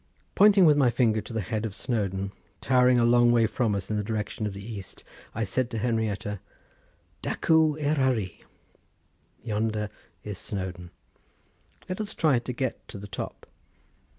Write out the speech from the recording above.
Pointing with my finger to the head of Snowdon towering a long way from us in the direction of the east, I said to Henrietta:— "Dacw Eryri, yonder is Snowdon. Let us try to get to the top.